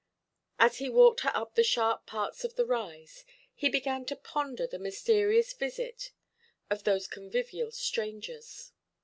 As he walked her up the sharp parts of the rise, he began to ponder the mysterious visit of those convivial strangers.